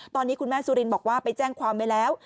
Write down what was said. ตอนนี้คุณแม่สุรินบอกว่าไปแจ้งความไว้แล้ว